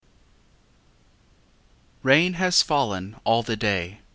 Rain has fallen all the day.